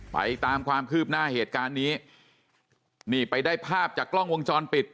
ไปตามความคืบหน้าเหตุการณ์นี้นี่ไปได้ภาพจากกล้องวงจรปิด